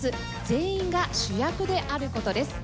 「全員が主役！」である事です。